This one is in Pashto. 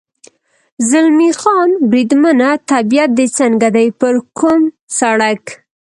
زلمی خان: بریدمنه، طبیعت دې څنګه دی؟ پر کوم سړک.